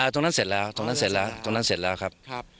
ตรงนั้นเสร็จแล้วตรงนั้นเสร็จแล้วครับ